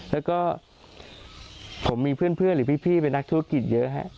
แล้วก็ผมมีเพื่อนหรือพี่เป็นนักธุรกิจเยอะฮะ